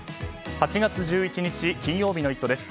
８月１１日、金曜日の「イット！」です。